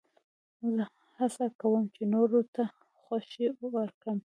زه هڅه کوم، چي نورو ته خوښي ورکم.